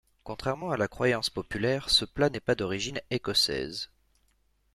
Contrairement à la croyance populaire, ce plat n'est pas d'origine écossaise.